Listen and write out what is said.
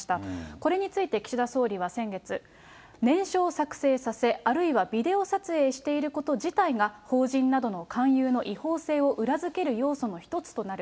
これについて岸田総理は先月、念書を作成させ、あるいはビデオ撮影していること自体が、法人などの勧誘の違法性を裏付ける要素の１つとなる。